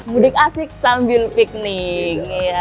mudik asik sambil piknik